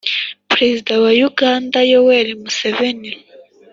perezida wa uganda yoweri museveni